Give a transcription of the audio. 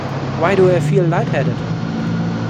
Why do I feel light-headed?